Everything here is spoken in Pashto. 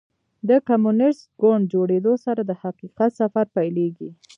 د کمونیسټ ګوند جوړېدو سره د حقیقت سفر پیلېږي.